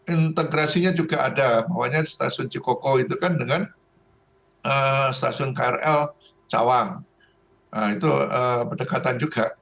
integrasinya juga ada pokoknya stasiun cikoko itu kan dengan stasiun krl cawang itu berdekatan juga